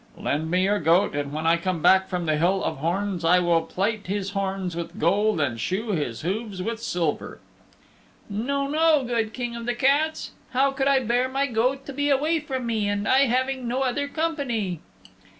"Lend me your goat, and when I come back from the Hill of Horns I will plate his horns with gold and shoe his hooves with silver." "No, no, good King of the Cats. How could I bear my goat to be away from me, and I having no other company?"